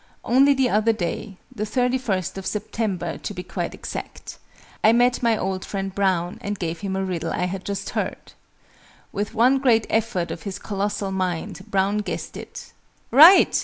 Only the other day the 31st of September, to be quite exact I met my old friend Brown, and gave him a riddle I had just heard. With one great effort of his colossal mind, Brown guessed it. "Right!"